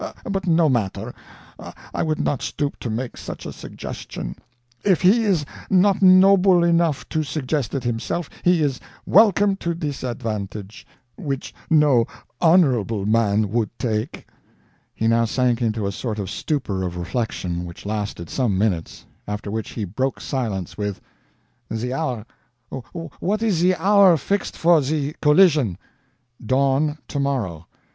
But no matter; I would not stoop to make such a suggestion; if he is not noble enough to suggest it himself, he is welcome to this advantage, which no honorable man would take." He now sank into a sort of stupor of reflection, which lasted some minutes; after which he broke silence with: "The hour what is the hour fixed for the collision?" "Dawn, tomorrow."